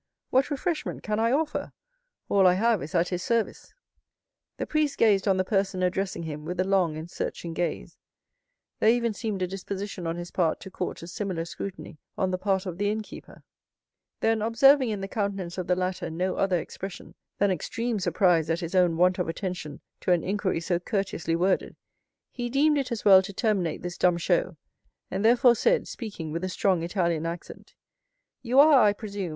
What refreshment can I offer? All I have is at his service." The priest gazed on the person addressing him with a long and searching gaze—there even seemed a disposition on his part to court a similar scrutiny on the part of the innkeeper; then, observing in the countenance of the latter no other expression than extreme surprise at his own want of attention to an inquiry so courteously worded, he deemed it as well to terminate this dumb show, and therefore said, speaking with a strong Italian accent, "You are, I presume, M.